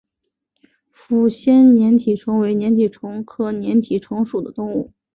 抚仙粘体虫为粘体科粘体虫属的动物。